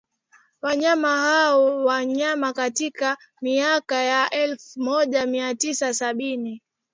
wanyama wao wa wanyama Katika miaka ya elfumoja miatisa sabini